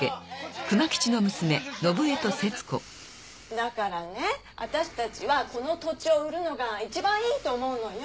だからね私たちはこの土地を売るのがいちばんいいと思うのよ。